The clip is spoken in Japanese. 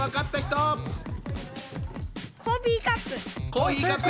コーヒーカップ！